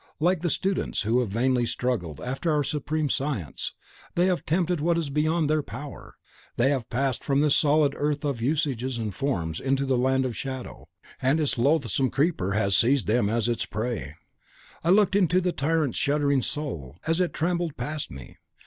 Like the students who have vainly struggled after our supreme science, they have attempted what is beyond their power; they have passed from this solid earth of usages and forms into the land of shadow, and its loathsome keeper has seized them as its prey. I looked into the tyrant's shuddering soul, as it trembled past me.